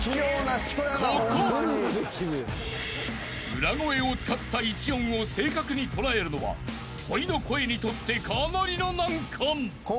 ［裏声を使った１音を正確に捉えるのはほいの声にとってかなりの難関］